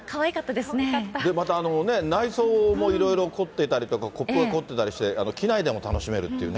で、また、内装もいろいろ凝ってたりとか、コップが凝ってたりして、機内でも楽しめるっていうね。